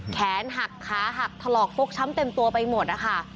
แขนหักขาหักถลอกฟกช้ำเต็มตัวไปหมดนะคะ